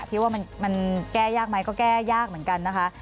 ที่ว่ามันแก้ยากไหมก็แก้ยากเหมือนกันนะคะ